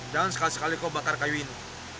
jangan sekali sekali kau bakar kayu ini